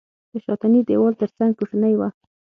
د شاتني دېوال تر څنګ کوټنۍ وه.